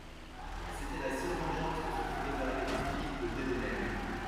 C'était la seule vengeance que se fût réservée Philippe le Débonnaire.